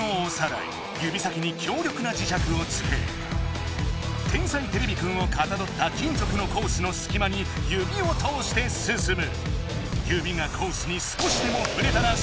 指先に強力な磁石をつけ「天才てれびくん」をかたどった金ぞくのコースのすき間に指を通して進む！